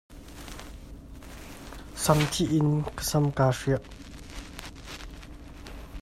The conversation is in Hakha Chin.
Samthih in ka sam kaa hriah.